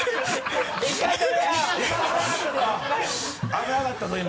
危なかったぞ今。